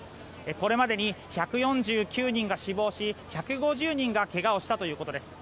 これまでに１４９人が死亡し１５０人がけがをしたということです。